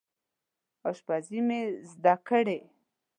اشپزي مې ده زده کړې